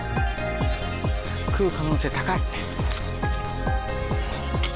食う可能性高い。